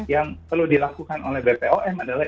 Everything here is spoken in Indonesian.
yang perlu dilakukan oleh bpom adalah